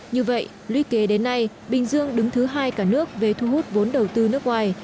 như vậy luy kế đến nay bình dương đứng thứ hai cả nước về thu hút vốn đầu tư nước ngoài